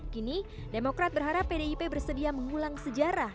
kini demokrat berharap pdip bersedia mengulang sejarah